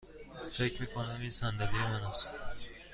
فکر می کنم این صندلی من است.